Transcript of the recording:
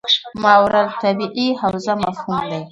ماورا الطبیعي حوزه مفهوم دی.